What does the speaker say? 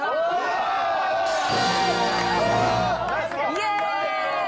イエーイ！